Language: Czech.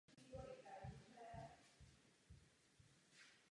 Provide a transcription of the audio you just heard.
Z mladé kůry se získávalo růžové barvivo.